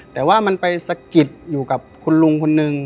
แต่ว่ามันไปสะกิดอยู่กับคุณลุงคนนึง